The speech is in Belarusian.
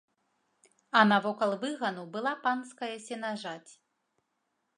А навокал выгану была панская сенажаць.